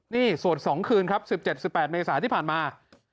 นี่สวด๒คืนครับ๑๗๑๘เมษาที่ผ่านมา